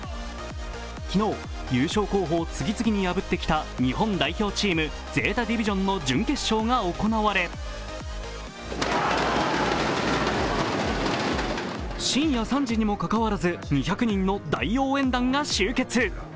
昨日、優勝候補を次々に破ってきた日本代表チームのＺＥＴＡＤＩＶＩＳＩＯＮの準決勝が行われ深夜３時にもかかわらず２００人の大応援団が集結。